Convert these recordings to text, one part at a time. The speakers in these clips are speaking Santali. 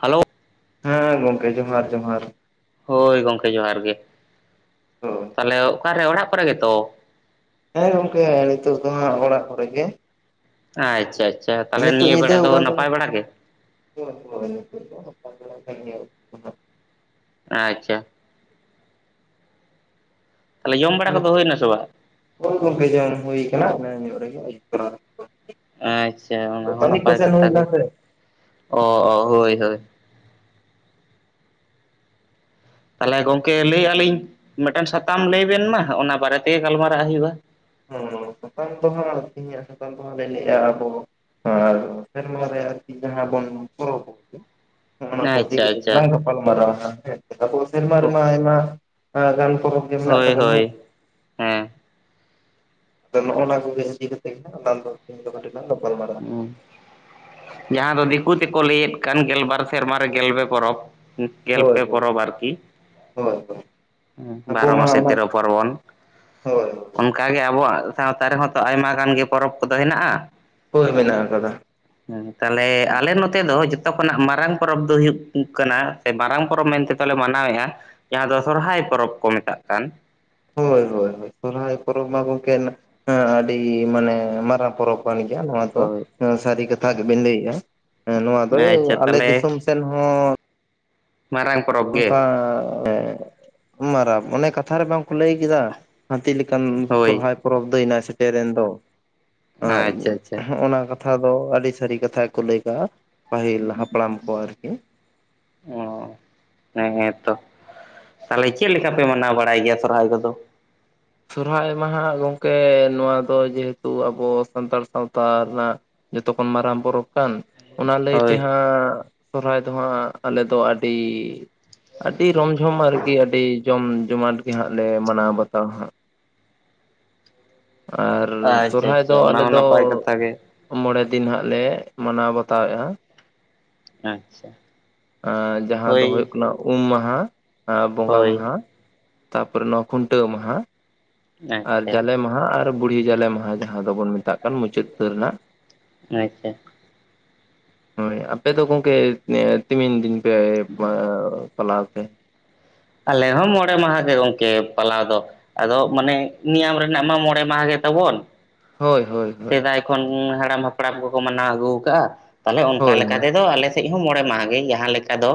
ᱦᱟᱞᱳ ᱦᱮᱸ ᱜᱚᱝᱠᱮ ᱡᱚᱦᱟᱨ ᱡᱚᱦᱟᱨ ᱦᱳᱭ ᱜᱚᱢᱠᱮ ᱡᱚᱦᱟᱨ ᱜᱮ ᱦᱳᱭ ᱛᱟᱦᱚᱞᱮ ᱚᱠᱟᱨᱮ ᱚᱲᱟᱜ ᱠᱚᱨᱮ ᱜᱮᱛᱚ ᱦᱮᱸ ᱜᱚᱝᱠᱮ ᱦᱮᱸ ᱱᱤᱛᱚᱜ ᱫᱚ ᱦᱟᱸᱜ ᱚᱲᱟᱜ ᱠᱚᱨᱮ ᱜᱮ ᱟᱪᱪᱷᱟ ᱟᱪᱪᱷᱟ ᱛᱟᱦᱚᱞᱮ ᱱᱤᱭᱟᱹ ᱵᱮᱲᱟ ᱫᱚ ᱱᱟᱯᱟᱭ ᱵᱟᱲᱟ ᱜᱮ᱾ ᱦᱳᱭ ᱦᱳᱭ ᱱᱤᱛᱚᱜ ᱫᱚ ᱱᱟᱯᱟᱭ ᱵᱟᱲᱟ ᱜᱮ ᱱᱟᱦᱟᱜ ᱟᱪᱪᱷᱟ ᱛᱟᱦᱚᱞᱮ ᱡᱚᱢ ᱵᱟᱲᱟ ᱠᱚᱫᱚ ᱦᱩᱭᱮᱱᱟ ᱥᱮ ᱵᱟᱝ? ᱦᱳᱭ ᱜᱚᱝᱠᱮ ᱡᱚᱢ ᱦᱩᱭ ᱟᱠᱟᱱᱟ ᱮᱱᱟᱜ ᱧᱚᱜ ᱨᱮᱜᱮ ᱟᱭᱩᱵ ᱟᱭᱩᱵ ᱛᱚᱨᱟ ᱨᱮ᱾ ᱟᱪᱪᱷᱟ ᱚᱱᱟ ᱦᱚᱸ ᱱᱟᱯᱟᱭ ᱠᱟᱛᱷᱟ ᱜᱮ ᱥᱮ ᱾ ᱚᱸ ᱚ ᱦᱳᱭ ᱦᱳᱭ, ᱛᱟᱦᱚᱞᱮ ᱜᱚᱝᱠᱮ ᱞᱟᱹᱭ ᱮᱭᱟᱜ ᱞᱤᱧ, ᱢᱤᱫᱴᱟᱝ ᱥᱟᱛᱟᱢ ᱞᱟᱹᱭ ᱵᱮᱱ ᱢᱟ, ᱚᱱᱟ ᱵᱟᱨᱮ ᱛᱮᱜᱮ ᱜᱟᱞᱢᱟᱨᱟᱜ ᱦᱩᱭᱩᱜᱼᱟ ᱾ ᱦᱚᱸ ᱥᱟᱨᱟᱢ ᱫᱚ ᱱᱷᱟᱜ ᱤᱧᱟᱜ ᱫᱚᱱᱷᱟᱜ ᱞᱤᱧ ᱞᱟᱹᱭ ᱮᱫᱟ, ᱟᱵᱳ ᱟᱨ ᱥᱮᱨᱢᱟ ᱨᱮᱭᱟᱜ ᱠᱤ ᱡᱟᱦᱟᱸ ᱵᱚᱱ ᱯᱚᱨᱚᱵ [inaudible] ᱚᱱᱟᱠᱚ ᱤᱫᱤ ᱠᱟᱛᱮ ᱟᱪᱪᱷᱟ ᱜᱮᱞᱟᱝ ᱜᱟᱯᱟᱞ ᱢᱟᱨᱣᱟ ᱥᱮᱢᱟ ᱨᱮ ᱢᱟ ᱟᱭᱢᱟ ᱩᱱᱟᱹᱜ ᱜᱟᱱ ᱠᱚ ᱦᱳᱭ ᱦᱳᱭ, ᱦᱮᱸ ᱟᱫᱚ ᱱᱚᱜᱼ ᱚᱭᱱᱚᱣᱟ ᱠᱚᱜᱮ ᱤᱫᱤ ᱠᱟᱛᱮᱜ ᱜᱮ ᱱᱷᱟᱜ ᱟᱞᱟᱝ ᱫᱚ ᱛᱮᱦᱮᱧ ᱫᱚ ᱴᱟᱹᱴᱤᱡ ᱞᱟᱝ ᱜᱟᱯᱟᱞ ᱢᱟᱨᱣᱟ ᱾ ᱡᱟᱦᱟᱸ ᱫᱚ ᱫᱤᱠᱩ ᱛᱮᱠᱚ ᱞᱟᱹᱭᱮᱫ ᱠᱟᱱ, ᱜᱮᱞᱵᱟᱨ ᱥᱮᱨᱢᱟ ᱨᱮ ᱜᱮᱞᱵᱮ ᱯᱚᱨᱚᱵᱽ ᱾ ᱜᱮᱞ ᱯᱮ ᱦᱳᱭ ᱦᱳᱭ ᱯᱚᱨᱚᱵᱽ ᱟᱨᱠᱤ, ᱦᱳᱭ ᱦᱳᱭ ᱟᱵᱚ ᱵᱟᱨᱚ ᱢᱟ ᱢᱟᱥᱮ ᱚᱱᱟ ᱛᱮᱨᱚ ᱯᱟᱨᱵᱚᱱ, ᱦᱳᱭ ᱚᱱ ᱡᱟᱜᱮ ᱟᱵᱚᱣᱟᱜ ᱥᱟᱶᱛᱟ ᱨᱮᱦᱚᱸ ᱛᱚ ᱟᱭᱢᱟ ᱜᱟᱱ ᱜᱮ ᱯᱚᱨᱚᱵᱽ ᱠᱚᱫᱚ ᱦᱮᱱᱟᱜ-ᱟ ᱾ ᱦᱳᱭ ᱢᱮᱱᱟᱜ ᱟᱠᱟᱫᱟ ᱾ ᱦᱮᱸ ᱛᱟᱦᱚᱞᱮ ᱟᱞᱮ ᱱᱚᱛᱮ ᱫᱚ ᱡᱚᱛᱚ ᱠᱷᱚᱱᱟᱜ ᱢᱟᱨᱟᱝ ᱯᱚᱨᱚᱵᱽ ᱫᱚ ᱦᱩᱭᱩᱜ ᱠᱟᱱᱟ ᱾ ᱥᱮ ᱢᱟᱨᱟᱝ ᱯᱚᱨᱚᱵᱽ ᱢᱮᱱᱛᱮ ᱛᱞᱮ ᱢᱟᱱᱟᱣᱮᱫ-ᱟ ᱾ ᱡᱟᱦᱟᱸ ᱫᱚ ᱥᱚᱨᱦᱟᱭ ᱯᱚᱨᱚᱵᱽ ᱠᱚ ᱢᱮᱛᱟᱜ ᱠᱟᱱ ᱾ ᱦᱳᱭ ᱦᱳᱭ ᱥᱚᱨᱦᱟᱭ ᱯᱚᱨᱚᱵᱽ ᱢᱟ ᱜᱚᱝᱠᱮ ᱱᱟ ᱟᱹᱰᱤ ᱢᱟᱱᱮ ᱢᱟᱨᱟᱝ ᱯᱚᱨᱚᱵᱽ ᱱᱚᱣᱟ ᱫᱚ ᱦᱳᱭ ᱥᱟᱹᱨᱤ ᱠᱟᱛᱷᱟ ᱜᱮᱵᱤᱱ ᱞᱟᱹᱭᱮᱜᱼᱟ, ᱱᱚᱣᱟ ᱫᱚ ᱟᱪᱪᱷᱟ ᱟᱞᱮ ᱛᱟᱦᱚᱞᱮ ᱫᱤᱥᱚᱢ ᱥᱮ ᱥᱮᱱ ᱦᱚᱸ ᱢᱟᱨᱟᱝ ᱯᱚᱨᱚᱵᱽ, ᱜᱮ ᱱᱚᱝᱠᱟ ᱮᱸ ᱢᱟᱨᱟᱵ ᱚᱱᱮ ᱠᱟᱛᱷᱟ ᱨᱮ ᱵᱟᱝᱠᱚ ᱞᱟᱹᱭ ᱠᱮᱫᱟ ᱾ ᱦᱟᱛᱤ ᱞᱮᱠᱟᱱ ᱦᱳᱭ ᱥᱚᱨᱦᱟᱭ ᱯᱚᱨᱚᱵᱽ ᱫᱟᱹᱭ ᱱᱟ ᱥᱮᱴᱮᱨᱮᱱ ᱫᱚ ᱾ ᱟᱨ ᱟᱪᱪᱷᱟ ᱟᱪᱪᱷᱟ ᱦᱚᱸᱜ-ᱚᱱᱟ ᱠᱟᱛᱷᱟ ᱫᱚ ᱟᱹᱰᱤ ᱥᱟᱹᱨᱤ ᱠᱟᱛᱷᱟ ᱜᱮ ᱠᱚ ᱞᱟᱹᱭ ᱠᱟᱜ-ᱟ ᱾ ᱯᱟᱹᱦᱤᱞ ᱦᱟᱯᱲᱟᱢ ᱠᱚ ᱟᱨᱠᱤ, ᱚ ᱦᱮᱸ ᱦᱮᱸ ᱛᱚ, ᱛᱟᱦᱚᱞᱮ ᱪᱮᱫ ᱞᱮᱠᱟᱯᱮ ᱢᱟᱱᱟᱣ ᱵᱟᱲᱟᱭ ᱜᱮᱭᱟ, ᱥᱚᱨᱦᱟᱭ ᱠᱚᱫᱚ? ᱥᱚᱨᱦᱟᱭ ᱢᱟᱦ ᱦᱟᱸᱜ ᱜᱚᱝᱠᱮ ᱱᱚᱣᱟ ᱫᱚ ᱡᱮᱦᱮᱛᱩ ᱟᱵᱚ ᱥᱟᱱᱛᱟᱲ ᱥᱟᱶᱛᱟ ᱨᱮᱱᱟᱜ, ᱡᱚᱛᱚ ᱠᱷᱚᱱ ᱢᱟᱨᱟᱝ ᱯᱚᱨᱚᱵᱽ ᱠᱟᱱ, ᱚᱱᱟ ᱞᱟᱹᱭ ᱛᱮ ᱦᱳᱭ ᱦᱟᱸᱜ ᱥᱚᱨᱦᱟᱭ ᱫᱚ ᱦᱟᱸᱜ ᱟᱞᱮᱫ ᱫᱚ ᱟᱹᱰᱤ ᱟᱹᱰᱤ ᱨᱚᱢ ᱡᱷᱚᱢ ᱟᱨᱠᱤ ᱟᱹᱰᱤ ᱡᱚᱢ ᱡᱚᱢᱟᱴ ᱜᱮ ᱦᱟᱸᱜ ᱞᱮ ᱢᱟᱱᱟᱣ ᱵᱟᱛᱟᱣᱟ ᱦᱟᱸᱜ ᱾ ᱟᱨ ᱟᱪᱪᱷᱟ ᱥᱚᱨᱦᱟᱭ ᱟᱪᱪᱷᱟ ᱫᱚ ᱚᱱᱟ ᱟᱞᱮ ᱦᱚᱸ ᱫᱚ ᱱᱟᱯᱟᱭ ᱠᱟᱛᱷᱟ ᱜᱮ ᱢᱚᱬᱮ ᱫᱤᱱ ᱦᱟᱸᱜ ᱞᱮ ᱢᱟᱱᱟᱣ ᱵᱟᱛᱟᱣᱮᱫ-ᱟ ᱟᱪᱪᱷᱟ ᱾ ᱟᱸ ᱡᱟᱦᱟᱸ ᱫᱚ ᱦᱳᱭ ᱦᱩᱭᱩᱜ ᱠᱟᱱᱟ ᱾ ᱩᱢ ᱢᱟᱦᱟ, ᱵᱚᱸᱜᱟ ᱦᱳᱭ ᱢᱟᱦᱟ, ᱛᱟᱯᱚᱨᱮ ᱱᱚᱣᱟ ᱠᱷᱩᱱᱴᱟᱹᱣ ᱢᱟᱦᱟ, ᱟᱨ ᱟᱪᱪᱷᱟ ᱡᱟᱞᱮ ᱢᱟᱦᱟ, ᱟᱨ ᱵᱩᱲᱦᱤ ᱡᱟᱞᱮ ᱢᱟᱦᱟ ᱡᱟᱦᱟᱸ ᱫᱚᱵᱚᱱ ᱢᱮᱛᱟᱜ ᱠᱟᱱ ᱢᱩᱪᱟᱹᱫ ᱨᱮᱱᱟᱜ, ᱟᱪᱪᱷᱟ ᱦᱳᱭ ᱟᱯᱮ ᱫᱚ ᱜᱚᱝᱠᱮ ᱛᱤᱢᱤᱱ ᱫᱤᱱ ᱯᱮ ᱢᱟ ᱯᱟᱞᱟᱣ ᱟᱯᱮ, ᱟᱞᱮ ᱦᱚᱸ ᱢᱚᱬᱮ ᱢᱟᱦᱟ ᱜᱮ ᱜᱚᱝᱠᱮ ᱯᱟᱞᱟᱣ ᱫᱚ ᱾ ᱟᱫᱚ ᱢᱟᱱᱮ ᱱᱮᱭᱟᱢ ᱨᱮᱱᱟᱜ ᱢᱟ ᱢᱚᱬᱮ ᱢᱟᱦᱟ ᱜᱮ ᱛᱟᱵᱚᱱ ᱦᱳᱭ ᱦᱳᱭ ᱦᱳᱭ ᱥᱮᱫᱟᱭ ᱠᱷᱚᱱ ᱦᱟᱲᱟᱢ ᱦᱟᱯᱲᱟᱢ ᱠᱚᱠᱚ ᱢᱟᱱᱟᱣ ᱟᱹᱜᱩ ᱠᱟᱜ-ᱟ ᱛᱟᱦᱚᱞᱮ ᱚᱱᱠᱟ ᱦᱳᱭ ᱞᱮᱠᱟ ᱦᱳᱭ ᱛᱮᱫᱚ ᱟᱞᱮ ᱥᱮᱫ ᱦᱚᱸ ᱢᱚᱬᱮ ᱢᱟᱦᱟ ᱜᱮ ᱡᱟᱦᱟᱸ ᱞᱮᱠᱟ ᱫᱚ,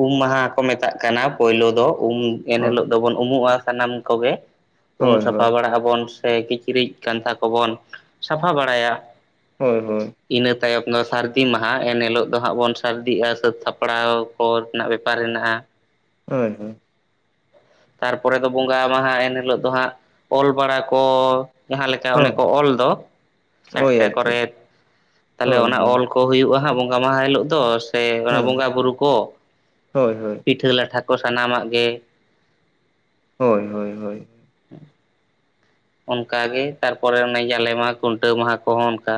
ᱩᱢ ᱢᱟᱦᱟ ᱠᱚ ᱢᱮᱛᱟᱜ ᱠᱟᱱᱟ, ᱯᱳᱭᱞᱳ ᱫᱚ ᱩᱢ ᱮᱱ ᱦᱤᱞᱳᱜ ᱫᱚᱵᱚᱱ ᱩᱢᱩᱜ-ᱟ, ᱥᱟᱱᱟᱢ ᱠᱚᱜᱮ, ᱩᱢ ᱦᱳᱭ ᱦᱳᱭ ᱥᱟᱯᱷᱟ ᱵᱟᱲᱟᱜ ᱟᱵᱚᱱ ᱥᱮ ᱠᱤᱪᱨᱤᱡ ᱠᱟᱱᱛᱷᱟ ᱠᱚᱵᱚᱱ ᱥᱟᱯᱷᱟ ᱵᱟᱲᱟᱭᱟ ᱾ ᱦᱳᱭ ᱦᱳᱭ, ᱤᱱᱟᱹ ᱛᱟᱭᱚᱢ ᱫᱚ ᱥᱟᱹᱨᱫᱤ ᱢᱟᱦᱟ, ᱮᱱ ᱦᱤᱞᱳᱜ ᱫᱚ ᱦᱟᱸᱜ ᱵᱚᱱ ᱥᱟᱹᱨᱫᱤᱜ-ᱟ, ᱥᱟᱹᱛ ᱥᱟᱯᱲᱟᱣ ᱠᱚ ᱨᱮᱱᱟᱜ ᱵᱮᱯᱟᱨ ᱦᱮᱱᱟᱜ-ᱟ ᱾ ᱦᱳᱭ ᱦᱳᱭ, ᱛᱟᱨ ᱯᱚᱨᱮ ᱫᱚ ᱵᱚᱸᱜᱟ ᱢᱟᱦᱟ ᱮᱱ ᱦᱤᱞᱳᱜ ᱫᱚ ᱦᱟᱸᱜ ᱚᱞ ᱵᱟᱲᱟ ᱠᱚ ᱾ ᱡᱟᱦᱟᱸ ᱞᱮᱠᱟ ᱚᱱᱮ ᱦᱳᱭ ᱠᱚ ᱚᱞ ᱫᱚ ᱳᱭ ᱪᱷᱟᱴᱠᱟ ᱟᱪᱪᱷᱟ ᱠᱚᱨᱮ ᱛᱟᱦᱚᱞᱮ ᱦᱳᱭ ᱚᱱᱟ ᱦᱳᱭ ᱚᱞ ᱠᱚ ᱦᱩᱭᱩᱜ-ᱟ ᱦᱟᱸᱜ ᱵᱚᱸᱜᱟ ᱢᱟᱦᱟ ᱦᱤᱞᱳᱜ ᱫᱚ ᱥᱮ ᱚᱱᱟ ᱦᱮᱸ ᱵᱚᱸᱜᱟ ᱵᱩᱨᱩ ᱠᱚ ᱦᱳᱭ ᱦᱳᱭ ᱯᱤᱴᱷᱟᱹ ᱞᱟᱴᱷᱟ ᱠᱚ ᱥᱟᱱᱟᱢᱟᱜ ᱜᱮ ᱦᱳᱭ ᱦᱳᱭ ᱦᱳᱭ ᱦᱮᱸ ᱚᱱᱠᱟᱜᱮ ᱛᱟᱨᱯᱚᱨᱮ ᱚᱱᱮ ᱡᱟᱞᱮ ᱢᱟᱦᱟ ᱠᱷᱩᱱᱴᱟᱹᱣ ᱢᱟᱦᱟ ᱠᱚᱦᱚᱸ ᱚᱱᱠᱟ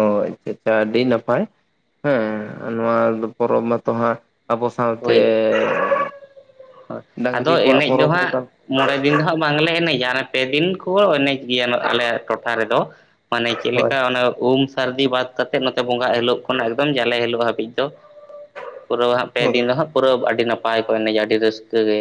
ᱚ ᱟᱪᱪᱷᱟ ᱟᱪᱪᱷᱟ ᱟᱹᱰᱤ ᱱᱟᱯᱟᱭ ᱦᱮᱸ ᱱᱚᱣᱟ ᱯᱚᱨᱚᱵᱽ ᱢᱟᱛᱚ ᱦᱟᱸᱜ ᱟᱵᱚ ᱥᱟᱶᱛᱮᱻᱻ ᱦᱳᱭ ᱟᱫᱚ ᱮᱱᱮᱡ ᱫᱚ ᱦᱟᱸᱜ ᱢᱚᱬᱮ ᱫᱤᱱ ᱫᱚ ᱦᱟᱸᱜ ᱵᱟᱝᱞᱮ ᱮᱱᱮᱡᱟ ᱯᱮ ᱫᱤᱱ ᱠᱚ ᱮᱱᱮᱡ ᱜᱮᱭᱟ ᱟᱞᱮᱭᱟᱜ ᱴᱚᱴᱷᱟ ᱨᱮᱫᱚ ᱢᱟᱱᱮ ᱪᱮᱫ ᱦᱳᱭ ᱞᱮᱠᱟ ᱚᱱᱟ ᱩᱢ ᱥᱟᱹᱨᱫᱤ ᱵᱟᱫ, ᱠᱟᱛᱮᱫ ᱱᱚᱛᱮ ᱵᱚᱸᱜᱟᱜ ᱦᱤᱞᱳᱜ ᱠᱷᱚᱱ ᱮᱠᱫᱚᱢ ᱡᱟᱞᱮ ᱦᱤᱞᱳᱜ ᱦᱟᱹᱵᱤᱡ ᱫᱚ ᱯᱩᱨᱟᱹ ᱦᱟᱸᱜ ᱯᱮ ᱦᱳᱭ ᱫᱤᱱ ᱫᱚ ᱦᱟᱸᱜ ᱯᱩᱨᱟᱹᱽ ᱟᱹᱰᱤ ᱱᱟᱯᱟᱭ ᱠᱚ ᱮᱱᱮᱡᱟ ᱟᱹᱰᱤ ᱨᱟᱹᱥᱠᱟᱹᱜ ᱜᱮ,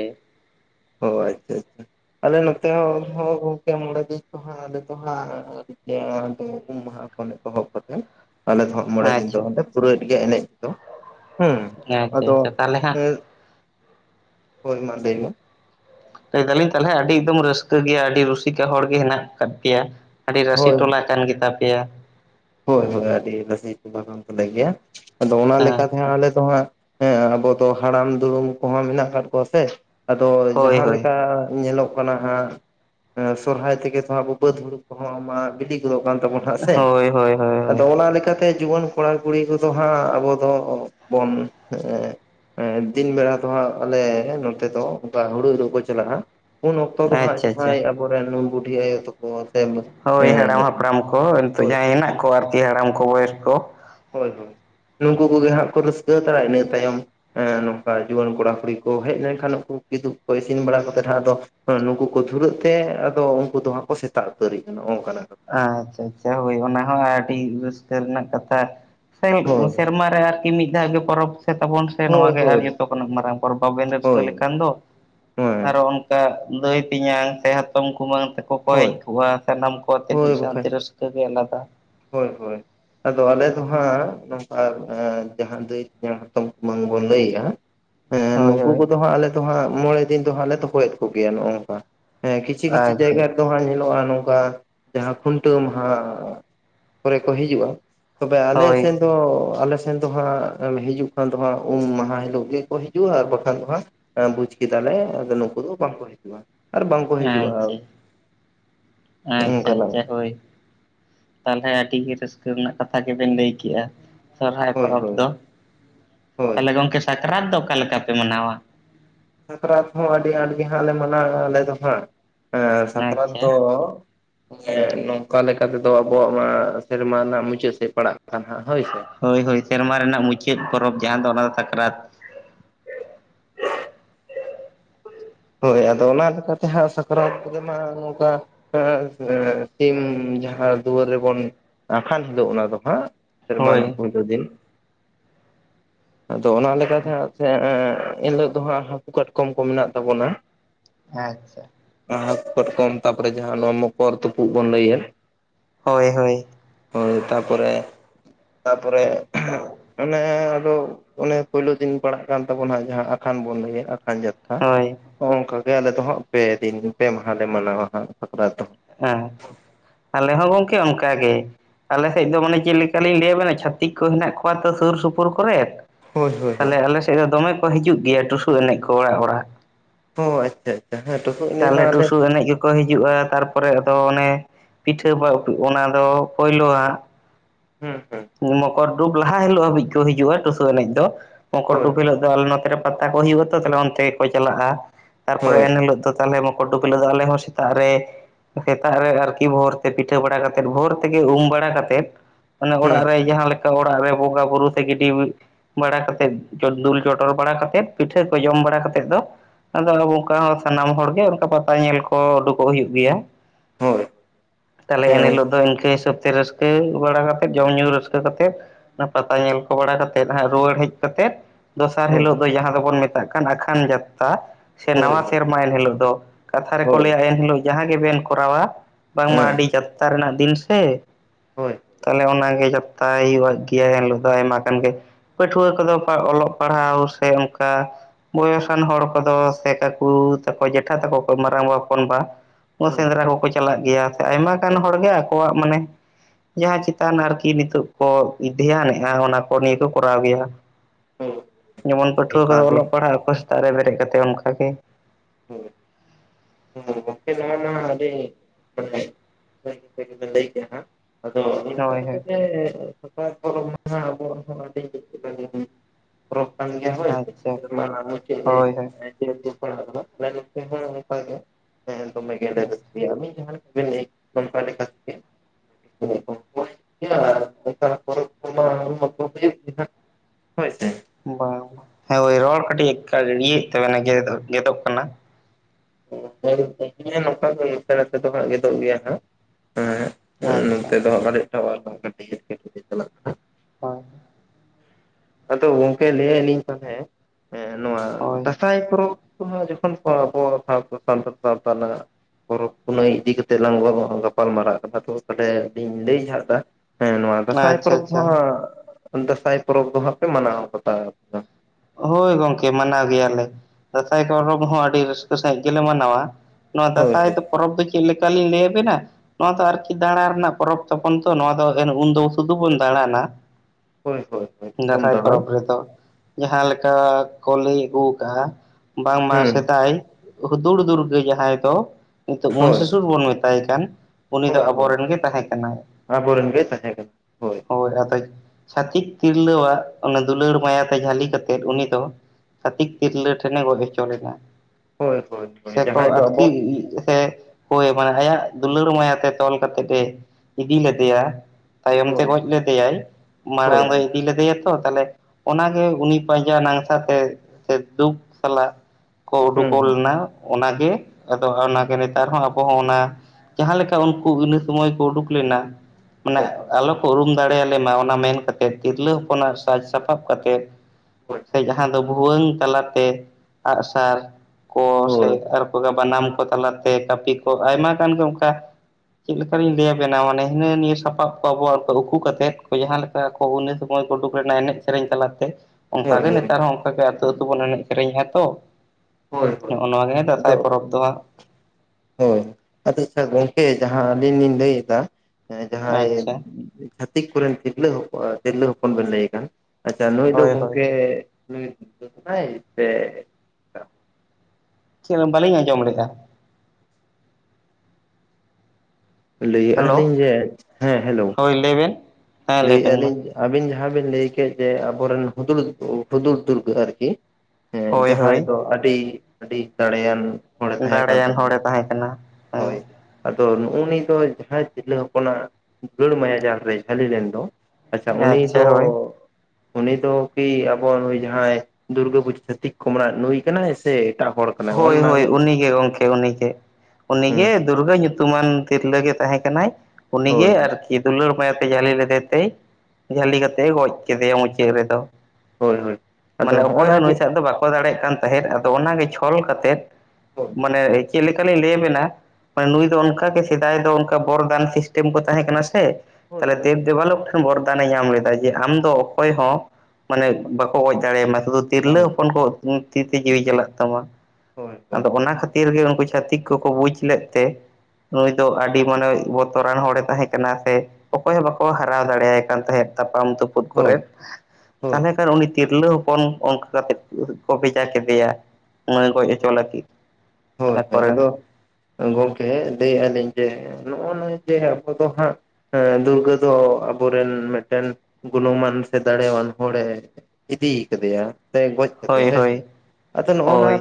ᱚ ᱟᱪᱪᱷᱟ ᱟᱪᱪᱷᱟ ᱟᱞᱮ ᱱᱚᱛᱮ ᱦᱚᱸ ᱜᱚᱝᱠᱮ ᱢᱚᱬᱮ ᱫᱤᱱ ᱫᱚ ᱦᱟᱸᱜ ᱟᱞᱮ ᱫᱚ ᱦᱟᱸᱜ [unintelligible] ᱩᱢ ᱢᱟᱦᱟ ᱠᱷᱚᱱ ᱮᱚᱦᱚᱵ ᱠᱟ ᱠᱟᱛᱮᱫ ᱟᱞᱮ ᱫᱚ ᱢᱚᱬᱮ ᱫᱤᱱ ᱫᱚ ᱟᱪᱪᱷᱟ ᱦᱟᱜ ᱯᱮ ᱯᱩᱨᱟᱹᱭᱮᱫ ᱜᱮᱭᱟ ᱮᱱᱮᱡ ᱫᱚ ᱦᱮᱸ ᱟᱪᱪᱷᱟ ᱟᱫᱚ ᱟᱪᱪᱷᱟ ᱛᱟᱦᱚᱞᱮ ᱦᱟᱸᱜ ᱦᱳᱭ ᱢᱟ ᱞᱟᱹᱭ ᱵᱤᱱ ᱞᱟᱹᱭ ᱫᱟᱞᱤᱧ ᱛᱟᱦᱚᱞᱮ ᱟᱹᱰᱤ ᱮᱠᱫᱚᱢ ᱨᱟᱹᱥᱠᱟᱹ ᱜᱮᱭᱟ ᱟᱹᱰᱤ ᱨᱩᱥᱤᱠᱟ ᱦᱚᱲ ᱜᱮ ᱦᱮᱱᱟᱜ ᱟᱠᱟᱫ ᱯᱮᱭᱟ ᱟᱹᱰᱤ ᱨᱟᱥᱤ ᱦᱳᱭ ᱴᱚᱞᱟ ᱠᱟᱱ ᱜᱮ ᱛᱟᱯᱮᱭᱟ ᱦᱳᱭ ᱦᱳᱭ ᱟᱹᱰᱤ ᱨᱟᱥᱤ ᱴᱚᱞᱟ ᱠᱟᱱ ᱛᱟᱞᱮ ᱜᱮᱭᱟ ᱟᱫᱚ ᱚᱱᱟ ᱞᱮᱠᱟ ᱛᱮ ᱟᱪᱪᱷᱟ ᱦᱟᱸᱜ ᱟᱞᱮ ᱫᱚ ᱦᱟᱸᱜ ᱦᱮᱸ ᱟᱵᱚ ᱫᱚ ᱦᱟᱲᱟᱢ ᱫᱩᱲᱩᱢ ᱠᱚᱦᱚᱸ ᱢᱮᱱᱟᱜ ᱟᱠᱟᱫ ᱠᱚᱣᱟ ᱥᱮ ᱟᱫᱚ ᱦᱳᱭ ᱡᱟᱦᱟᱸ ᱦᱳᱭ ᱞᱮᱠᱟ ᱧᱮᱞᱚᱜ ᱚᱱᱟᱦᱟᱜ ᱥᱚᱨᱦᱟᱭ ᱛᱮᱜᱮ ᱛᱚ ᱟᱵᱚ ᱵᱟᱹᱫ ᱦᱩᱲᱩ ᱠᱚᱦᱚᱸ ᱵᱤᱞᱤ [unintelligible] ᱠᱟᱱ ᱛᱟᱵᱚ ᱦᱟᱜ ᱥᱮ ᱦᱳᱭ ᱦᱳᱭ ᱦᱳᱭ ᱟᱫᱚ ᱚᱱᱟ ᱞᱮᱠᱟᱛᱮ ᱡᱩᱣᱟᱹᱱ ᱠᱚᱲᱟᱼ ᱠᱩᱲᱤ ᱠᱚᱫᱚ ᱦᱟᱸᱜ ᱟᱵᱚ ᱫᱚ ᱵᱚᱱ ᱮᱸ ᱮᱸ ᱫᱤᱱ ᱵᱮᱲᱟ ᱫᱚ ᱦᱟᱸᱜ ᱟᱞᱮ ᱱᱚᱛᱮ ᱫᱚ ᱚᱱᱠᱟ ᱦᱩᱲᱩ ᱤᱨᱚᱜ ᱠᱚ ᱪᱟᱞᱟᱜᱼᱟ᱾ ᱩᱱ ᱚᱠᱛᱚ ᱫᱚ ᱦᱟᱸᱜ ᱟᱪᱪᱷᱟ ᱟᱪᱪᱷᱟ ᱡᱟᱦᱟᱸᱭ ᱟᱵᱚ ᱨᱮᱱ ᱱᱩᱱ ᱵᱩᱰᱷᱤ ᱟᱭᱳ ᱛᱟᱠᱚ ᱥᱮ ᱦᱳᱭ ᱦᱟᱲᱟᱢ ᱦᱟᱯᱲᱟᱢ ᱠᱚ ᱱᱤᱛᱚᱜ ᱦᱳᱭ ᱡᱟᱦᱟᱸᱭ ᱦᱮᱱᱟᱜ ᱠᱚᱣᱟ ᱟᱨᱠᱤ ᱦᱟᱲᱟᱢ ᱠᱚ ᱵᱚᱭᱮᱥ ᱠᱚ ᱦᱳᱭ ᱦᱳᱭ ᱱᱩᱠᱩ ᱠᱚᱜᱮ ᱦᱟᱸᱜ ᱠᱚ ᱨᱟᱹᱥᱠᱟᱹ ᱦᱟᱛᱚᱨᱟ ᱤᱱᱟᱹ ᱛᱟᱭᱚᱢ ᱟᱸ ᱱᱚᱝᱠᱟ ᱡᱩᱣᱟᱹᱱ ᱠᱚᱲᱟ ᱠᱩᱲᱤ ᱠᱚ ᱦᱮᱡ ᱞᱮᱱᱠᱷᱟᱱ ᱩᱱᱠᱩ ᱠᱤᱫᱩᱵ ᱠᱚ ᱤᱥᱤᱱ ᱵᱟᱲᱟ ᱠᱟᱛᱮ ᱦᱟᱜ ᱟᱫᱚ ᱱᱩᱠᱩ ᱠᱚ ᱫᱷᱩᱨᱟᱹᱜ ᱛᱮ ᱟᱫᱚ ᱩᱱᱠᱩ ᱫᱚ ᱦᱟᱸᱜ ᱠᱚ ᱥᱮᱛᱟᱜ ᱩᱛᱟᱹᱨᱤ ᱠᱟᱱᱟ ᱚᱱᱠᱟᱱᱟᱜ ᱠᱟᱱᱟ᱾ ᱟᱪᱪᱷᱟ ᱟᱪᱷᱟ ᱦᱳᱭ ᱚᱱᱟ ᱦᱚᱸ ᱟᱹᱰᱤ ᱨᱟᱹᱥᱠᱟᱹ ᱨᱮᱱᱟᱜ ᱠᱟᱛᱷᱟ ᱥᱮ ᱦᱳᱭ ᱥᱮᱨᱢᱟ ᱨᱮ ᱟᱨᱠᱤ ᱢᱤᱫ ᱫᱷᱟᱣ ᱜᱮ ᱯᱚᱨᱚᱵᱽ ᱛᱟᱵᱚᱱ ᱥᱮ ᱱᱚᱣᱟ ᱦᱳᱭ ᱜᱮ ᱟᱨ ᱦᱳᱭ ᱡᱚᱛᱚ ᱠᱷᱚᱱᱟᱜ ᱢᱟᱨᱟᱝ ᱯᱚᱨᱚᱵᱽ ᱵᱟᱵᱮᱱ ᱨᱟᱹᱥᱠᱟᱹ ᱦᱳᱭ ᱞᱮᱠᱷᱟᱱ ᱫᱚ ᱟᱨᱚ ᱚᱱᱠᱟ ᱫᱟᱹᱭ ᱛᱮᱧᱟᱝ ᱥᱮ ᱦᱟᱛᱚᱢ ᱠᱩᱢᱟᱹᱝ ᱛᱮᱟᱠᱚ ᱠᱚ ᱦᱮᱡ ᱦᱳᱭ ᱠᱚᱜᱼᱟ ᱥᱟᱱᱟᱢ ᱠᱚ ᱟᱛᱮ ᱦᱳᱭ ᱢᱤᱫ ᱵᱟᱠᱷᱟᱡ ᱥᱟᱶᱛᱮ ᱨᱟᱹᱥᱠᱟ ᱨᱟᱥᱠᱟᱹ ᱜᱮ ᱟᱞᱟᱫᱟ ᱦᱳᱭ ᱦᱳᱭ ᱟᱫᱚ ᱟᱞᱮ ᱫᱚ ᱦᱟᱸᱜ ᱱᱚᱝᱠᱟ ᱡᱟᱦᱟᱸ ᱫᱟᱹᱭ ᱛᱤᱧᱤᱝ ᱦᱟᱛᱚᱢ ᱠᱩᱢᱟᱹᱝ ᱵᱚᱱ ᱞᱟᱹᱭᱮᱫᱼᱟ ᱦᱮᱸ ᱦᱳᱭ ᱱᱩᱠᱩ ᱦᱳᱭ ᱠᱚᱫᱚ ᱦᱟᱸᱜ ᱟᱞᱮ ᱫᱚ ᱦᱟᱸᱜ ᱢᱚᱬᱮ ᱫᱤᱱ ᱫᱚ ᱦᱟᱸᱜ ᱞᱮ ᱛᱚᱯᱚᱭᱮᱫ ᱠᱚᱜᱮᱭᱟ ᱚᱱᱮ ᱚᱱᱠᱟ ᱦᱮᱸ ᱠᱤᱪᱷᱩ ᱠᱤᱪᱷᱩ ᱟᱪᱪᱷᱟ ᱡᱟᱭᱜᱟ ᱨᱮᱫᱚ ᱦᱟᱸᱜ ᱧᱮᱞᱚᱜᱼᱟ ᱱᱚᱝᱠᱟ ᱡᱟᱦᱟᱸ ᱠᱷᱩᱱᱴᱟᱹᱣ ᱢᱟᱦᱟ ᱠᱚᱨᱮ ᱠᱚ ᱦᱤᱡᱩᱜᱼᱟ ᱛᱚᱵᱮ ᱟᱞᱮ ᱦᱳᱭ ᱥᱮᱱ ᱫᱚ ᱟᱞᱮ ᱥᱮᱱ ᱫᱚ ᱦᱟᱸᱜ ᱦᱤᱡᱩᱜ ᱠᱷᱟᱱ ᱫᱚ ᱦᱟᱸᱜ ᱩᱢ ᱢᱟᱦᱟ ᱦᱤᱞᱳᱜ ᱜᱮᱠᱚ ᱦᱤᱡᱩᱜᱼᱟ ᱟᱨ ᱵᱟᱠᱷᱟᱱ ᱫᱚ ᱦᱟᱸᱜ ᱵᱩᱡ ᱠᱮᱫᱟᱞᱮ ᱟᱫᱚ ᱱᱩᱠᱩ ᱫᱚ ᱵᱟᱝᱠᱚ ᱦᱤᱡᱩᱜᱼᱟ ᱟᱨ ᱵᱟᱝ ᱠᱚ ᱦᱤᱡᱩᱜᱼᱟ ᱟᱪᱪᱷᱟ ᱟᱪᱪᱷᱟ ᱚᱱᱠᱟᱱᱟᱜ ᱟᱪᱪᱷᱟ ᱦᱳᱭ ᱛᱟᱦᱚᱞᱮ ᱟᱹᱰᱤ ᱜᱮ ᱨᱟᱹᱥᱠᱟᱹ ᱨᱮᱱᱟᱜ ᱠᱟᱛᱷᱟ ᱜᱮᱵᱮᱱ ᱞᱟᱹᱭ ᱠᱮᱫᱼᱟ᱾ ᱥᱚᱦᱨᱟᱭ ᱦᱳᱭ ᱯᱚᱨᱚᱵᱽ ᱦᱳᱭ ᱫᱚ ᱦᱳᱭ ᱛᱟᱦᱚᱞᱮ ᱜᱚᱢᱠᱮ ᱥᱟᱠᱨᱟᱛ ᱫᱚ ᱚᱠᱟᱞ ᱞᱮᱠᱟ ᱯᱮ ᱢᱟᱱᱟᱣᱟ? ᱥᱟᱠᱨᱟᱛ ᱦᱚᱸ ᱟᱹᱰᱤ ᱟᱸᱴ ᱜᱮ ᱦᱟᱸᱜ ᱞᱮ ᱢᱟᱱᱟᱣᱟ ᱟᱞᱮ ᱫᱚ ᱦᱟᱸᱜ ᱾ ᱥᱟᱠᱨᱟᱛ ᱟᱪᱪᱷᱟ ᱫᱚ ᱦᱮᱸ ᱱᱚᱝᱠᱟ ᱞᱮᱠᱟ ᱛᱮᱫᱚ ᱟᱵᱚᱣᱟᱜ ᱢᱟ ᱥᱮᱨᱢᱟ ᱨᱮᱱᱟᱜ ᱢᱩᱪᱟᱹᱫ ᱥᱮᱫ ᱯᱟᱲᱟᱜ ᱠᱟᱱᱟ ᱦᱟᱜ ᱦᱳᱭ ᱥᱮ ᱾ ᱦᱳᱭ ᱦᱳᱭ ᱥᱮᱨᱢᱟ ᱨᱮᱱᱟᱜ ᱢᱩᱪᱟᱹᱫ ᱯᱚᱨᱚᱵᱽ, ᱡᱟᱦᱟᱸ ᱫᱚ ᱚᱱᱟ ᱫᱚ ᱥᱟᱠᱨᱟᱛ ᱾ ᱦᱳᱭ ᱟᱫᱚ ᱚᱱᱟ ᱞᱮᱠᱟᱛᱮ ᱦᱟᱸᱜ ᱥᱟᱠᱨᱟᱛ ᱨᱮ ᱢᱟ ᱱᱚᱝᱠᱟ ᱟᱸ ᱥᱤᱢ ᱡᱟᱦᱟᱸ ᱫᱩᱣᱟᱹᱨ ᱨᱮᱵᱚᱱ ᱟᱠᱟᱱ ᱦᱤᱞᱳᱜ ᱚᱱᱟ ᱫᱚ ᱦᱟᱸᱜ, ᱥᱮᱨᱢᱟ ᱦᱳᱭ ᱨᱮᱱᱟᱜ ᱯᱳᱭᱨᱟᱹ ᱫᱤᱱ, ᱟᱫᱚ ᱚᱱᱟᱞᱮ ᱞᱮᱠᱟᱛᱮ ᱦᱟᱸᱜ ᱮᱱᱦᱤᱞᱟᱹᱜᱜ ᱫᱚ ᱦᱟᱸᱜ ᱦᱟᱹᱠᱩ ᱠᱟᱴᱠᱚᱢ ᱠᱚ ᱢᱮᱱᱟᱜ ᱛᱟᱵᱚᱱᱟ ᱾ ᱟᱪᱪᱷᱟ, ᱟᱦᱟ ᱠᱟᱴᱠᱚᱢ ᱛᱟᱯᱚᱨᱮ ᱡᱟᱦᱟᱸ ᱱᱚᱣᱟ ᱢᱚᱠᱚᱨ ᱛᱩᱯᱩᱜ ᱵᱚᱱ ᱞᱟᱹᱭᱮᱫ ᱦᱳᱭ ᱦᱳᱭ, ᱦᱳᱭ ᱛᱟᱨᱯᱚᱨᱮ ᱛᱟᱯᱚᱨᱮ ᱚᱱᱮ ᱟᱫᱚ ᱚᱱᱮ ᱯᱳᱭᱞᱳ ᱫᱤᱱ ᱯᱟᱲᱟᱜ ᱠᱟᱱ ᱛᱟᱵᱚᱱᱟ ᱦᱟᱜ ᱡᱟᱦᱟᱸ ᱟᱠᱷᱟᱱ ᱵᱚᱱ ᱞᱟᱹᱭᱟ, ᱟᱠᱷᱟᱱ ᱡᱟᱛ ᱦᱳᱭ ᱦᱚᱸᱜ ᱚᱱᱠᱟ ᱜᱮ ᱟᱞᱮ ᱫᱚ ᱦᱟᱸᱜ ᱯᱮ ᱫᱤᱱ ᱯᱮ ᱢᱟᱦᱟ ᱞᱮ ᱢᱟᱱᱟᱣᱟ ᱦᱟᱸᱜ, ᱥᱟᱠᱨᱟᱛ ᱫᱚ ᱾ ᱦᱮᱸ ᱟᱞᱮ ᱦᱚᱸ ᱜᱚᱝᱠᱮ ᱚᱱᱠᱟ ᱜᱮ ᱟᱞᱮᱥᱮᱫ ᱫᱚ ᱢᱟᱱᱮ ᱪᱮᱫ ᱞᱮᱠᱟ ᱞᱤᱧ ᱞᱟᱹᱭᱟᱵᱮᱱᱟ ᱪᱷᱟᱹᱛᱤᱠ ᱠᱚ ᱦᱮᱱᱟᱜ ᱠᱚᱣᱟ ᱛᱚ ᱥᱩᱨ ᱥᱩᱯᱩᱨ ᱠᱚᱨᱮ ᱦᱳᱭ ᱦᱳᱭ ᱦᱳᱭ ᱛᱟᱞᱞᱮ ᱟᱞᱮ ᱥᱮᱫ ᱫᱚ ᱫᱚᱢᱮ ᱠᱚ ᱦᱤᱡᱩᱜ ᱜᱮᱭᱟ ᱴᱩᱥᱩ ᱮᱱᱮᱡ ᱠᱚ ᱚᱲᱟᱜ ᱚᱲᱟᱜ᱾ ᱳ ᱟᱪᱪᱷᱟ ᱟᱪᱪᱷᱟ ᱡᱟᱦᱟᱸ ᱢᱩᱥᱩ ᱛᱟᱦᱚᱞᱮ ᱴᱩᱥᱩ ᱮᱱᱮᱡ ᱜᱮ ᱠᱚ ᱦᱤᱡᱩᱜᱼᱟ ᱛᱟᱨᱯᱚᱨᱮ ᱟᱫᱚ ᱚᱱᱮ ᱯᱤᱴᱷᱟᱹ ᱵᱟ ᱚᱱᱟ ᱫᱚ ᱯᱳᱭᱞᱳ ᱦᱟᱸᱜ ᱦᱩᱸ ᱦᱩᱸ ᱢᱚᱠᱚᱨ ᱰᱩᱵ ᱞᱟᱦᱟ ᱦᱤᱞᱳᱜ ᱦᱟᱹᱵᱤᱡ ᱠᱚ ᱦᱤᱡᱩᱜᱼᱟ ᱴᱩᱥᱩ ᱮᱱᱮᱡ ᱫᱚ ᱢᱚᱠᱚᱨ ᱦᱳᱭ ᱰᱩᱵ ᱦᱤᱞᱳᱜ ᱫᱚ ᱟᱞᱮ ᱱᱚᱛᱮᱨᱮ ᱯᱟᱛᱟ ᱠᱚ ᱦᱩᱭᱩᱜ ᱟ ᱛᱚ ᱚᱱᱛᱮ ᱜᱮᱠᱚ ᱪᱟᱞᱟᱜᱼᱟ ᱛᱟᱨᱯᱚᱨᱮ ᱦᱳᱭ ᱮᱱᱦᱤᱞᱳᱜ ᱫᱚ ᱛᱟᱦᱚᱞᱮ ᱰᱩᱵ ᱦᱤᱞᱳ ᱫᱚ ᱟᱞᱮᱦᱚ ᱥᱮᱛᱟᱜᱨᱮ ᱥᱮᱛᱟᱜ ᱨᱮ ᱟᱨᱠᱤ ᱵᱷᱳᱨ ᱛᱮ ᱯᱤᱴᱷᱟᱹ ᱵᱟᱲᱟ ᱠᱟᱛᱮᱮᱫ ᱵᱷᱳᱨ ᱛᱮᱜᱮ ᱩᱢ ᱵᱟᱲᱟ ᱠᱟᱛᱮᱫ ᱦᱩᱸ ᱥᱮᱛᱟᱜ ᱨᱮ ᱦᱩᱸ ᱡᱟᱦᱟᱸ ᱞᱮᱠᱟ ᱚᱲᱟᱜ ᱨᱮ ᱵᱚᱸᱜᱟ ᱵᱩᱨᱩ ᱥᱮ ᱜᱤᱰᱤ ᱵᱟᱲᱟ ᱠᱟᱛᱮᱫ ᱫᱩᱞ ᱪᱚᱴᱚᱨ ᱵᱟᱲᱟ ᱠᱟᱛᱮᱫ ᱯᱤᱴᱷᱟᱹ ᱠᱚ ᱡᱚᱢ ᱵᱟᱲᱟ ᱠᱟᱛᱮᱫ ᱫᱚ ᱟᱫᱚ ᱟᱚ ᱚᱱᱠᱟ ᱦᱚᱸ ᱥᱟᱱᱟᱢ ᱦᱚᱲᱜᱮ ᱚᱱᱠᱟ ᱯᱟᱛᱟ ᱧᱮᱞ ᱠᱚ ᱩᱰᱩᱠᱚᱜ ᱦᱩᱭᱩᱜ ᱜᱮᱭᱟ᱾ ᱦᱳᱭ ᱛᱟᱦᱞᱮ ᱦᱮᱸ ᱮᱱᱦᱤᱞᱳᱜ ᱫᱚ ᱤᱱᱠᱟᱹ ᱦᱤᱥᱟᱹᱵ ᱛᱮ ᱨᱟᱹᱥᱠᱟᱹ ᱵᱟᱲᱟ ᱠᱟᱛᱮᱮᱫ ᱡᱚᱢᱼ ᱧᱩ ᱨᱟᱹᱥᱠᱟᱹ ᱠᱟᱛᱮᱫ ᱯᱟᱛᱟ ᱧᱮᱞ ᱠᱚ ᱵᱟᱲᱟ ᱠᱟᱛᱮᱫ ᱦᱟᱸᱜ ᱨᱩᱣᱟᱹᱲ ᱦᱮᱡ ᱠᱟᱛᱮᱫ ᱫᱚᱥᱟᱨ ᱦᱳᱭ ᱦᱤᱞᱳᱜ ᱫᱚ ᱡᱟᱦᱟᱸ ᱫᱚᱵᱚᱱ ᱢᱮᱛᱟᱜ ᱠᱟᱱ ᱟᱠᱷᱟᱱ ᱡᱟᱛᱨᱟ ᱥᱮ ᱦᱳᱭ ᱱᱟᱣᱟ ᱦᱳᱭ ᱥᱮᱨᱢᱟ ᱮᱱ ᱦᱤᱞᱳᱜ ᱫᱚ᱾ ᱠᱟᱛᱷᱟ ᱨᱮᱴᱚ ᱦᱳᱭ ᱞᱟᱹᱭᱟ ᱮᱱᱦᱤᱞᱳᱜ ᱡᱟᱦᱟᱸ ᱜᱮᱵᱮᱱ ᱠᱚᱨᱟᱣᱟ ᱦᱮᱸ ᱵᱟᱝᱢᱟ ᱟᱹᱰᱤ ᱡᱟᱛᱛᱟ ᱨᱮᱱᱟᱜ ᱫᱤᱱ ᱥᱮ ᱦᱳᱭ ᱛᱟᱦᱚᱞᱮ ᱚᱱᱟ ᱚᱱᱟᱜᱮ ᱡᱟᱛᱛᱟᱭ ᱦᱩᱭᱩᱜ ᱜᱮᱭᱟ ᱮᱱ ᱦᱤᱞᱳᱜ ᱫᱚ ᱟᱭᱢᱟ ᱜᱟᱱ ᱜᱮ᱾ ᱯᱟᱹᱴᱷᱩᱣᱟᱹ ᱠᱚᱫᱚ ᱚᱞᱚᱜ ᱯᱟᱲᱦᱟᱣ ᱥᱮ ᱚᱱᱠᱟ ᱵᱚᱭᱚᱥᱟᱱ ᱦᱚᱲ ᱠᱚᱫᱚ ᱥᱮ ᱠᱟᱠᱩ ᱛᱟᱠᱚ ᱡᱮᱴᱷᱟ ᱛᱟᱠᱚ ᱠᱚ ᱢᱟᱨᱟᱝ ᱵᱟ ᱦᱚᱯᱚᱱᱵᱟ ᱦᱳᱭ ᱥᱮᱸᱫᱽᱨᱟ ᱠᱚᱠᱚ ᱪᱟᱞᱟᱜ ᱜᱮᱭᱟ ᱥᱮ ᱟᱭᱢᱟ ᱜᱟᱱ ᱦᱳᱭ ᱦᱚᱲᱜᱮ ᱟᱠᱚᱣᱟᱜ ᱢᱟᱱᱮ ᱡᱟᱦᱟᱸ ᱪᱮᱛᱟᱱ ᱟᱨᱠᱤ ᱱᱤᱛᱚᱜ ᱠᱚ ᱫᱷᱮᱭᱟᱱᱮᱫᱼᱟ ᱚᱱᱟ ᱠᱚ ᱱᱤᱭᱟᱹ ᱠᱚ ᱠᱚᱨᱟᱣ ᱜᱮᱭᱟ᱾ ᱦᱳᱭ ᱡᱮᱢᱚᱱ ᱯᱟᱹᱴᱷᱩᱣᱟᱹ ᱚᱱᱠᱟ ᱠᱚᱫᱚ ᱜᱮ ᱚᱞᱚᱜ ᱯᱟᱲᱦᱟᱜ ᱟᱠᱚ ᱥᱮᱛᱟᱜ ᱨᱮ ᱵᱮᱨᱮᱫ ᱠᱟᱛᱮ ᱚᱱᱠᱟᱜ ᱜᱮ ᱦᱮᱸ ᱜᱚᱝᱠᱮ ᱱᱳᱭᱟᱢᱟ ᱟᱰᱤ [inaudible] ᱞᱟᱹᱭᱠᱮ-ᱟ ᱦᱟᱸ ᱟᱫᱚ ᱤᱱᱠᱟ ᱦᱳᱭ ᱦᱳᱭ ᱠᱟᱛᱮ [inaudible] ᱟᱵᱚ ᱦᱚᱸ ᱟᱹᱰᱤ ᱯᱚᱨᱚᱵᱽ ᱠᱟᱱ ᱜᱮᱭᱟ ᱦᱳᱭ ᱪᱮᱫ ᱟᱪᱪᱷᱟ ᱦᱳᱭ ᱦᱳᱭ ᱨᱮ ᱯᱟᱲᱟᱜ ᱚᱱᱟ ᱦᱚᱸ ᱚᱱᱠᱟ ᱜᱮᱸ [inaudible] ᱫᱚᱢᱮ [inaudible] ᱟᱪᱪᱷᱟ ᱜᱮᱭᱟ [inaudible] ᱱᱚᱝᱠᱟ ᱞᱮᱠᱟ ᱞᱮᱠᱟᱛᱮᱜᱮ [unintelligible] ᱟᱨ ᱚᱱᱠᱟ ᱯᱚᱨᱚᱵᱽ ᱠᱚᱢᱟ ᱦᱩᱭᱩᱜ ᱜᱮ ᱦᱳᱭ ᱥᱮ ᱵᱟᱝ ᱦᱮᱸ ᱦᱳᱭ ᱨᱚᱲ ᱠᱟᱹᱴᱤᱡ ᱤᱭᱟᱹᱮᱫ ᱛᱟᱵᱮᱱᱟ ᱜᱮᱫ ᱜᱮᱫᱚᱜ ᱠᱟᱱᱟ ᱱᱚᱝᱠᱟ ᱫᱚ ᱱᱚᱛᱮ ᱱᱟᱚᱛᱮ ᱫᱚ ᱦᱜ ᱜᱮᱫᱚᱜ ᱜᱮᱭᱟ ᱦᱜ ᱦᱮᱸ ᱦᱮᱸ ᱟᱪᱪᱷᱟ ᱱᱚᱛᱮ ᱫᱚ ᱦᱟᱸ ᱴᱟᱣᱭᱟᱨ [inaudible] ᱪᱟᱞᱟᱜ ᱟᱱᱟ ᱦᱳᱭ ᱟᱫᱚ ᱜᱚᱝᱠᱮ ᱞᱟᱹᱭᱟᱞᱤᱧ ᱛᱟᱦᱮᱸᱫ ᱱᱚᱣᱟ ᱦᱳᱭ ᱫᱟᱸᱥᱟᱭ ᱯᱚᱨᱚᱵᱽ ᱡᱚᱠᱷᱚᱱ ᱟᱵᱚᱣᱟᱜ ᱥᱟᱶᱛᱟ ᱥᱛᱟᱲ ᱥᱟᱶᱛᱟ ᱱᱟᱦᱟᱜ ᱯᱚᱨᱚᱵᱽ ᱯᱩᱱᱟᱹᱭ ᱤᱫᱤ ᱠᱟᱛᱮ ᱞᱟᱝ ᱜᱟᱯᱟᱞ ᱢᱟᱨᱟᱜ ᱠᱟᱱᱟ ᱛᱚ ᱛᱟᱦᱚᱞᱮ ᱞᱤᱧ ᱞᱟᱹᱭ ᱡᱷᱟᱜ ᱮᱫᱟ ᱦᱮᱸ ᱱᱚᱣᱟ ᱫᱟᱸᱥᱟᱭ ᱟᱪᱪᱷᱟ ᱯᱚᱨᱚᱵᱽ ᱟᱪᱪᱷᱟ ᱦᱚᱸ ᱫᱟᱸᱥᱟᱭ ᱯᱚᱨᱚᱵᱽ ᱫᱚᱦᱟᱸ ᱯᱮ ᱢᱟᱱᱟᱣ ᱠᱟᱫᱟ ᱦᱳᱭ ᱜᱚᱝᱠᱮ ᱢᱟᱱᱟᱣ ᱜᱮᱭᱟᱞᱮ ᱫᱟᱸᱥᱟᱭ ᱯᱚᱨᱚᱵᱽ ᱦᱚᱸ ᱟᱹᱰᱤ ᱨᱟᱹᱥᱠᱟᱹ ᱥᱟᱺᱦᱤᱡ ᱜᱮᱞᱮ ᱢᱟᱱᱟᱣᱟ᱾ ᱱᱚᱣᱟ ᱦᱳᱭ ᱫᱟᱸᱥᱟᱭ ᱦᱳᱭ ᱫᱚ ᱯᱚᱨᱚᱵᱽ ᱫᱚ ᱪᱮᱫ ᱞᱮᱠᱟ ᱞᱤᱧ ᱞᱟᱹᱭᱟᱵᱮᱱᱟ ᱱᱚᱣᱟ ᱫᱚ ᱟᱨᱠᱤ ᱫᱟᱬᱟ ᱨᱮᱱᱟᱜ ᱯᱚᱨᱚᱵᱽ ᱛᱟᱵᱚᱱ ᱛᱚ ᱱᱚᱣᱟ ᱫᱚ ᱩᱱᱫᱚ ᱥᱩᱫᱩ ᱵᱚᱱ ᱫᱟᱬᱟᱱᱟ᱾ ᱦᱳᱭ ᱦᱳᱭ ᱦᱳᱭ ᱫᱤᱥᱚᱢ ᱫᱟᱸᱥᱟᱭ ᱫᱟᱬᱟᱱ ᱯᱚᱨᱚᱵᱽ ᱨᱮ ᱫᱚ ᱡᱟᱦᱟᱸ ᱞᱮᱠᱟ ᱠᱚ ᱞᱟᱹᱭ ᱟᱹᱜᱩ ᱟᱠᱟᱜᱼᱟ ᱵᱟᱝᱢᱟ ᱦᱩᱸ ᱥᱮᱫᱟᱭ ᱩᱫᱩᱲ ᱫᱩᱨᱜᱟᱹ ᱡᱟᱦᱟᱸᱭ ᱫᱚ ᱱᱤᱛᱚᱜ ᱦᱳᱭ ᱢᱚᱦᱤᱥᱟᱥᱩᱨ ᱵᱚᱱ ᱢᱮᱛᱟᱭ ᱠᱟᱱ ᱾ ᱩᱱᱤ ᱫᱚ ᱦᱳᱭ ᱦᱳᱭ ᱟᱵᱚᱨᱮᱱ ᱜᱮ ᱛᱟᱦᱮᱸ ᱠᱟᱱᱟᱭ ᱾ ᱟᱵᱚᱨᱮᱱ ᱜᱮᱭ ᱛᱟᱦᱮᱸ ᱠᱟᱱᱟ ᱦᱳᱭ ᱟᱫᱚ ᱪᱷᱟᱛᱤᱠ ᱛᱤᱨᱞᱟᱹᱣᱟᱜ ᱚᱱᱟ ᱫᱩᱞᱟᱹᱲ ᱢᱟᱭᱟᱛᱮ ᱡᱷᱟᱹᱞᱤ ᱠᱟᱛᱮᱫ ᱩᱱᱤ ᱫᱚ ᱪᱷᱛᱷᱤᱠ ᱛᱤᱨᱞᱟᱹ ᱴᱷᱮᱱᱮ ᱜᱚᱡ ᱦᱚᱪᱚ ᱞᱮᱱᱟ᱾ ᱦᱳᱭ ᱦᱳᱭ ᱦᱳᱭ ᱥᱮ ᱠᱚ ᱡᱟᱦᱟᱸᱭ ᱫᱚ ᱟᱵᱚ ᱟᱛᱠᱤ ᱥᱮ ᱦᱳᱭ ᱢᱟᱭᱟ ᱟᱭᱟᱜ ᱫᱩᱞᱟᱹᱲ ᱢᱟᱭᱟᱛᱮ ᱛᱚᱞ ᱠᱟᱛᱮᱜ ᱮ ᱤᱫᱤ ᱞᱮᱫᱮᱭᱟ ᱾ ᱛᱟᱭᱚᱢ ᱛᱮ ᱦᱳᱭ ᱜᱚᱡ ᱞᱮᱫᱮᱭᱟᱭ ᱦᱳᱭ ᱦᱳᱭ ᱢᱟᱲᱟᱝ ᱫᱚᱭ ᱤᱫᱤ ᱞᱮᱫᱮᱭᱟ ᱛᱚ ᱛᱟᱦᱚᱞᱮ ᱚᱱᱟᱜᱮ ᱩᱱᱤ ᱵᱟᱡᱟᱣ ᱱᱟᱝᱥᱟᱛᱮ ᱥᱮ ᱫᱩᱠ ᱥᱟᱞᱟᱜ ᱠᱚ ᱩᱰᱩᱠ ᱦᱩᱸ ᱠᱚᱜ ᱦᱩᱸ ᱞᱮᱱᱟ ᱾ ᱚᱱᱟᱜᱮ ᱟᱫᱚ ᱚᱱᱟᱜᱮ ᱱᱮᱛᱟᱨ ᱦᱚᱸ ᱟᱵᱚ ᱦᱚᱸ ᱚᱱᱟ ᱡᱟᱦᱟᱸ ᱞᱮᱠᱟ ᱩᱱᱠᱩ ᱤᱱᱟᱹ ᱥᱚᱢᱚᱭ ᱠᱚ ᱩᱰᱩᱠ ᱞᱮᱱᱟ ᱾ ᱢᱟᱱᱮ ᱦᱳᱭ ᱟᱞᱚ ᱠᱚ ᱩᱨᱩᱢ ᱫᱟᱲᱮ ᱟᱞᱮ ᱢᱟ ᱚᱱᱟ ᱢᱮᱱ ᱠᱟᱛᱮᱫ ᱛᱤᱨᱞᱟᱹ ᱦᱚᱯᱚᱱᱟᱜ ᱥᱟᱡᱽ ᱥᱟᱯᱟᱵ ᱠᱟᱛᱮᱫ ᱦᱚᱭ ᱥᱮ ᱡᱟᱦᱟᱸ ᱫᱚ ᱵᱷᱩᱣᱟᱹᱝ ᱛᱟᱞᱟᱛᱮ ᱟᱜ-ᱥᱟᱨ ᱠᱚ ᱥᱮ ᱦᱳᱭ ᱟᱨ ᱵᱟᱱᱟᱢ ᱠᱚ ᱛᱟᱞᱟᱛᱮ ᱠᱟᱹᱯᱤ ᱠᱚ ᱟᱭᱢᱟ ᱜᱟᱱ ᱜᱮ ᱚᱱᱠᱟ ᱪᱮᱫ ᱞᱮᱠᱟᱞᱤᱧ ᱞᱟᱹᱭ ᱟᱵᱤᱱᱟ ᱢᱟᱱᱮ ᱦᱤᱱᱟᱹ ᱱᱤᱭᱟᱹ ᱥᱟᱯᱟᱵ ᱠᱚ ᱟᱵᱚᱣᱟᱜ ᱩᱠᱩ ᱠᱟᱛᱮᱫ ᱠᱚ ᱡᱟᱦᱟᱸ ᱞᱮᱠ [unintelligible] ᱤᱱᱟᱹ ᱥᱚᱢᱚᱭ ᱩᱰᱩᱠ ᱞᱮᱱᱟ ᱮᱱᱮᱡ ᱥᱮᱨᱮᱧ ᱛᱟᱞᱟᱛᱮ, ᱦᱳᱭ ᱚᱱᱠᱟᱜᱮ ᱱᱮᱛᱟᱨ ᱦᱚᱸ ᱚᱱᱠᱟᱜᱮ ᱟᱹᱛᱩ ᱟᱹᱛᱩ ᱵᱚᱱ ᱮᱱᱮᱡ ᱥᱮᱨᱮᱧ ᱮᱜ ᱛᱚ, ᱦᱳᱭ ᱱᱚᱜᱼᱚ ᱱᱚᱣᱟ ᱜᱮ ᱫᱟᱸᱥᱟᱭ ᱟᱫᱚ ᱯᱚᱨᱚᱵᱽ ᱫᱚ ᱦᱟᱸᱜ ᱦᱳᱭ [unintelligible] ᱜᱚᱝᱠᱮ ᱡᱟᱦᱟᱸ ᱟᱹᱞᱤᱧ ᱞᱤᱧ ᱞᱟᱹᱭ ᱮᱫᱟ ᱡᱟᱦᱟᱸᱭ, ᱟᱪᱪᱷᱟ ᱪᱷᱟᱹᱛᱤᱠ ᱠᱚᱨᱮᱱ ᱛᱤᱨᱞᱟᱹ ᱦᱚᱯᱚᱱ ᱛᱤᱨᱞᱟᱹ ᱦᱚᱯᱚᱱ ᱵᱮᱱ ᱞᱟᱹᱭᱮ ᱠᱟᱱ, ᱟᱪᱪᱷᱟ ᱱᱩᱭ ᱫᱚ ᱦᱳᱭ ᱦᱳᱭ ᱜᱚᱢᱠᱮ [unintelligible] ᱪᱮᱫ ᱵᱟᱹᱞᱤᱧ ᱟᱸᱡᱚᱢ ᱞᱮᱜᱼᱟ ᱾ ᱞᱟᱹᱭᱮᱜᱼᱟ ᱦᱮᱞᱳ ᱞᱤᱧ ᱡᱮ ᱦᱮᱸ ᱦᱮᱞᱳ ᱦᱳᱭ ᱞᱟᱹᱭ ᱵᱮᱱ ᱦᱮᱸ ᱞᱟᱹᱭ ᱞᱟᱹᱭᱮᱫᱼᱟ ᱵᱮᱱ ᱢᱟ ᱞᱤᱧ ᱟᱵᱤᱱ ᱡᱟᱦᱟᱸ ᱵᱤᱱ ᱞᱟᱹᱭ ᱠᱮᱫ ᱡᱮ ᱟᱵᱚᱨᱮᱱ ᱦᱩᱫᱩᱲ ᱦᱩᱫᱩᱲ ᱫᱩᱨᱜᱟᱹ ᱟᱨᱠᱤ ᱦᱮᱸ ᱦᱳᱭ ᱦᱳᱭ ᱡᱟᱦᱟᱸᱭ ᱫᱚ ᱟᱹᱰᱤ ᱟᱹᱰᱤ ᱫᱟᱲᱮᱭᱟᱱ ᱦᱚᱲ ᱮ ᱛᱟᱦᱮᱸ ᱠᱟᱱ ᱫᱟᱲᱮᱭᱟᱱ ᱛᱟᱵᱱᱟ ᱦᱚᱲᱮ ᱛᱟᱦᱮᱸ ᱠᱟᱱᱟ ᱦᱳᱭ ᱾ ᱟᱫᱚ ᱱᱩᱱᱩᱭ ᱫᱚ ᱡᱟᱦᱟᱸᱭ ᱛᱤᱨᱞᱟᱹ ᱦᱚᱯᱚᱱᱟᱜ ᱫᱩᱞᱟᱹᱲ ᱢᱟᱭᱟ ᱡᱟᱞᱨᱮ ᱡᱷᱟᱹᱞᱤ ᱞᱮᱱ ᱫᱚ ᱟᱪᱪᱷᱟ ᱦᱮᱸ ᱩᱱᱤ ᱫᱚ ᱦᱳᱭ ᱩᱱᱤ ᱫᱚ ᱠᱤ ᱟᱵᱚ ᱱᱩᱭ ᱡᱟᱦᱟᱸᱭ ᱫᱩᱨᱜᱟᱹ [unintelligible] ᱪᱷᱟᱛᱤᱠ [unintelligible] ᱱᱩᱭ ᱠᱟᱱᱟᱭ ᱥᱮ ᱮᱴᱟᱜ ᱦᱚᱲ ᱠᱟᱱᱟᱭ ᱦᱳᱭ ᱦᱳᱭ ᱚᱱᱟᱜᱮ ᱩᱱᱤᱜᱮ ᱜᱚᱢᱠᱮ ᱩᱱᱤᱜᱮ ᱦᱩᱸ ᱩᱱᱤᱜᱮ ᱫᱩᱨᱜᱟᱹ ᱧᱩᱛᱩᱢᱟᱱ ᱛᱤᱨᱞᱟᱹ ᱜᱮ ᱛᱟᱦᱮᱸ ᱠᱟᱱᱟᱭ ᱩᱱᱤᱜᱮ ᱦᱳᱭ ᱟᱨᱠᱤ, ᱫᱩᱞᱟᱹᱲ ᱢᱟᱭᱟᱛᱮ ᱡᱷᱟᱹᱞᱤ ᱞᱮᱫᱮ ᱛᱮ ᱡᱷᱟᱹᱞᱤ ᱠᱟᱛᱮ ᱮ ᱜᱚᱡ ᱠᱮᱫᱮᱭᱟ ᱢᱩᱪᱟᱹᱫᱽ ᱨᱮᱫᱚ ᱦᱳᱭ ᱦᱳᱭ ᱟᱫᱚ ᱢᱟᱱᱮ ᱚᱠᱚᱭ ᱦᱚᱜᱼᱱᱟ ᱦᱚᱸ ᱜᱮ ᱱᱩᱭ ᱥᱟᱜ ᱫᱚ ᱵᱟᱠᱚ ᱵᱟᱠᱳ ᱫᱟᱲᱮᱭᱟᱜ ᱠᱟᱱ ᱛᱟᱦᱮᱸᱫ ᱟᱫᱚ ᱚᱱᱟᱜᱮ ᱪᱷᱚᱞ ᱠᱟᱛᱮ ᱦᱳᱭ ᱢᱟᱱᱮ, ᱪᱮᱫ ᱞᱮᱠᱟ ᱞᱮ ᱞᱟᱹᱭ ᱟᱵᱮᱱᱟ ᱱᱩᱭ ᱫᱚ ᱚᱱᱠᱟᱜ ᱥᱮᱫᱟᱭ ᱫᱚ ᱚᱱᱠᱟ ᱵᱚᱨᱫᱟᱱ ᱥᱤᱥᱴᱮᱢ ᱠᱚ ᱛᱟᱦᱮᱸ ᱠᱟᱱᱟ ᱥᱮ ᱦᱳᱭ ᱛᱟᱦᱚᱞᱮ ᱦᱳᱭ ᱫᱮᱵ ᱫᱮᱵᱟᱞᱚᱠ ᱴᱷᱮᱱ ᱵᱚᱨᱫᱟᱱᱮ ᱧᱟᱢ ᱞᱮᱫᱟ ᱡᱮ ᱟᱢ ᱫᱚ ᱚᱠᱚᱭ ᱦᱚᱸ ᱢᱟᱱᱮ ᱵᱟᱠᱚ ᱚᱡᱽ ᱫᱟᱲᱮᱟᱭᱢᱟ ᱥᱩᱫᱷᱩ ᱛᱤᱨᱞᱟᱹ ᱵᱟᱝ ᱦᱚᱯᱚᱱ ᱠᱚ ᱛᱤ ᱛᱮ ᱡᱤᱣᱤ ᱪᱟᱞᱟᱜ ᱛᱟᱢᱟ ᱾ ᱦᱳᱭ ᱦᱳᱭ ᱟᱫᱚ ᱚᱱᱟ ᱠᱷᱟᱹᱛᱤᱨ ᱜᱮ ᱩᱱᱠᱩ ᱪᱷᱟᱹᱛᱤᱠ ᱠᱚᱠᱚ ᱵᱩᱡᱽ ᱞᱮᱫ ᱛᱮ ᱱᱩᱭ ᱫᱚ ᱟᱹᱰᱤ ᱢᱟᱱᱟᱣ ᱤᱡ ᱵᱚᱛᱚᱨᱟᱱ ᱦᱚᱲ ᱮ ᱛᱟᱦᱮᱸ ᱠᱟᱱᱟ ᱥᱮ, ᱚᱠᱚᱭ ᱦᱚᱸ ᱵᱟᱠᱚ ᱦᱟᱨᱟᱣ ᱫᱟᱲᱮᱭᱟᱭ ᱠᱟᱱ ᱛᱟᱦᱮᱸᱫ ᱛᱟᱯᱟᱢ ᱛᱩᱯᱩ ᱛᱩᱯᱩᱫ ᱠᱚᱨᱮ ᱦᱳᱭ ᱦᱳᱭ ᱛᱟᱦᱚᱞᱮ ᱠᱷᱟᱱ ᱩᱱᱤ ᱛᱤᱨᱞᱟᱹ ᱦᱚᱯᱚᱱ ᱚᱱᱠᱟ ᱠᱟᱛᱮᱫ ᱠᱚ ᱵᱷᱮᱡᱟ ᱠᱮᱫᱮᱭᱟ ᱾ [inaudible] ᱦᱳᱭ ᱦᱳᱭ ᱠᱚᱨᱮᱱ ᱟᱫᱚ, ᱜᱚᱝᱠᱮ ᱞᱟᱹᱭᱮᱜᱼᱟ ᱞᱤᱧ ᱡᱮ ᱱᱚᱜᱼᱚᱭ ᱡᱮ ᱟᱵᱚ ᱫᱚ ᱦᱟᱸᱜ ᱦᱮᱸ ᱫᱩᱨᱜᱟᱹ ᱫᱚ ᱟᱵᱚᱨᱮᱱ ᱢᱤᱫᱴᱮᱱ ᱜᱩᱱᱚᱢᱟᱱ ᱥᱮ ᱫᱟᱲᱮᱣᱟᱱ ᱦᱚᱲ ᱮ ᱤᱫᱤ ᱠᱟᱫᱮᱭᱟ ᱥᱮ ᱜᱚᱡᱽ ᱦᱳᱭ ᱠᱟᱫᱮᱭᱟ ᱦᱳᱭ ᱦᱮᱸᱥᱮ ᱟᱫᱚ ᱱᱚᱜᱼᱚ ᱱᱟ ᱦᱳᱭ